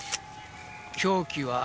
凶器は。